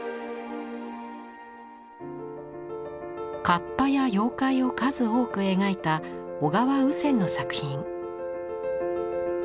河童や妖怪を数多く描いた小川芋銭の作品。